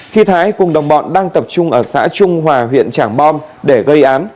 khi thái cùng đồng bọn đang tập trung ở xã trung hòa huyện trảng bom để gây án